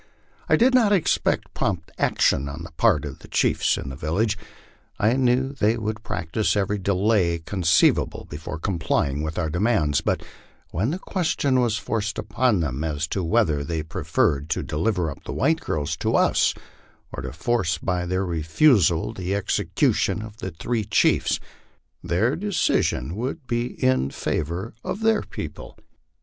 I did not expect prompt action on the part of the chiefs in the village. I knew they would practise every delay conceivable before complying with our de mands ; but when the question was forced upon them as to whether they pre ferred to deliver up the white girls to us or to force by their refusal the exe cution of the three chiefs, their decision would be in favor of their people.